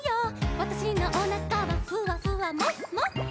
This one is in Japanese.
「わたしのおなかはふわふわもふもふ」